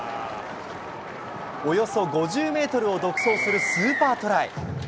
およそ５０メートルを独走するスーパートライ。